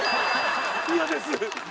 嫌です！